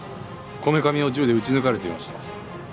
こめかみを銃で撃ち抜かれていました。